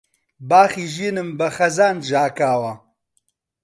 باخی ژینم بە خەزان ژاکاوە